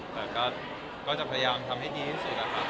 แต่ก็จะพยายามทำให้ดีที่สุดนะครับ